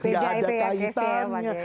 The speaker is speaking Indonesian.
gak ada kaitannya